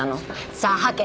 さあ吐け！